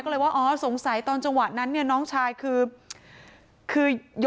เข้าเลยอ๋อ